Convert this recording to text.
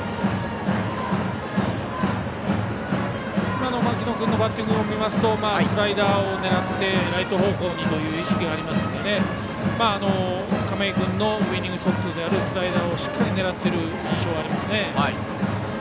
今の牧野君のバッティングを見るとスライダーを狙ってライト方向にという意識がありますので亀井君のウイニングショットであるスライダーをしっかり狙っている印象ですね。